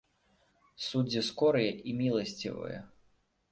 Суддзі скорыя і міласцівыя!